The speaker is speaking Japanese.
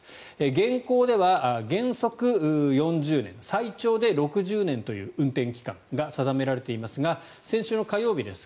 現行では原則４０年最長で６０年という運転期間が定められていますが先週の火曜日です